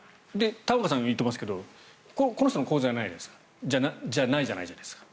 玉川さんも言ってますけどこの人の口座じゃないじゃないですか。